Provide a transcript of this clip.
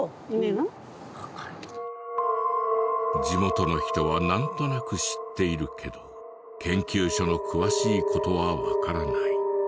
地元の人はなんとなく知っているけど研究所の詳しい事はわからない。